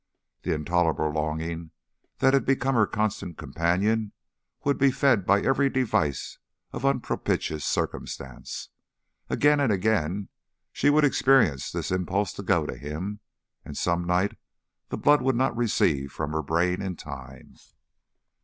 The intolerable longing that had become her constant companion would be fed by every device of unpropitious Circumstance. Again and again she would experience this impulse to go to him, and some night the blood would not recede from her brain in time.